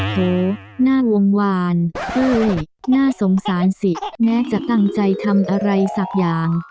โหน่าวงวานเฮ้ยน่าสงสารสิแม้จะตั้งใจทำอะไรสักอย่าง